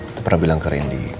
itu pernah bilang ke randy